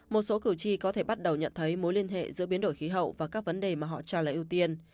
một số cử tri có thể bắt đầu nhận thấy mối liên hệ giữa biến đổi khí hậu và các vấn đề mà họ cho là ưu tiên